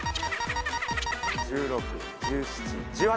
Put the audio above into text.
１６１７１８